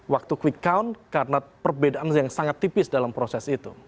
waktu quick count karena perbedaan yang sangat tipis dalam proses itu